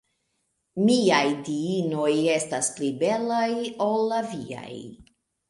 Miaj Diinoj estas pli belaj ol la viaj.